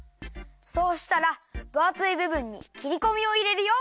そうしたらぶあついぶぶんにきりこみをいれるよ。